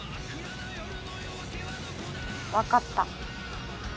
分かった。